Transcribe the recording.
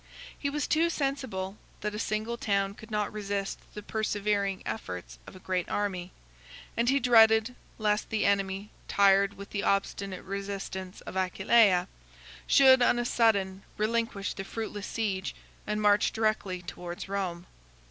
He was too sensible, that a single town could not resist the persevering efforts of a great army; and he dreaded, lest the enemy, tired with the obstinate resistance of Aquileia, should on a sudden relinquish the fruitless siege, and march directly towards Rome.